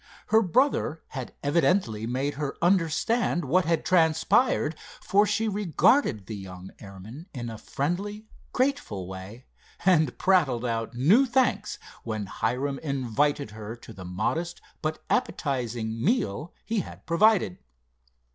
Her brother had evidently made her understand what had transpired, for she regarded the young airman in a friendly, grateful way, and prattled out new thanks when Hiram invited her to the modest but appetizing meal he had provided.